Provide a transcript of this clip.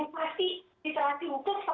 oke dan kita sebagai warga sifil